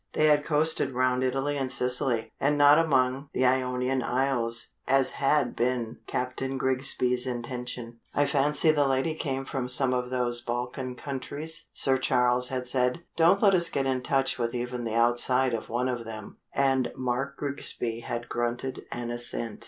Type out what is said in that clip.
They had coasted round Italy and Sicily, and not among the Ionian Isles, as had been Captain Grigsby's intention. "I fancy the lady came from some of those Balkan countries," Sir Charles had said. "Don't let us get in touch with even the outside of one of them." And Mark Grigsby had grunted an assent.